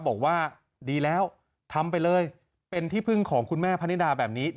บอกว่าดีแล้วทำไปเลยเป็นที่พึ่งของคุณแม่พนิดาแบบนี้